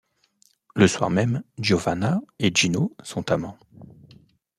Le soir même Giovanna et Gino sont amants.